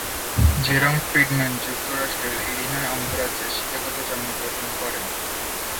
জেরোম Friedman যুক্তরাষ্ট্রের Illinois অঙ্গরাজ্যের শিকাগোতে জন্মগ্রহণ করেন।